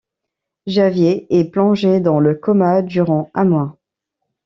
Javier est plongé dans le coma durant un mois.